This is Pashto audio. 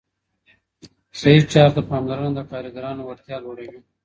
صحي چارو ته پاملرنه د کارګرانو وړتیا لوړوي.